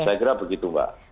saya kira begitu mbak